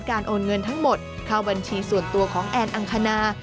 โอนเงินทั้งหมดเข้าบัญชีส่วนตัวของแอนอังคณา